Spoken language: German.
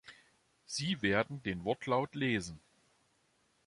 Sie werden den Wortlaut lesen.